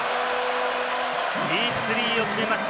ディープスリーを決めました！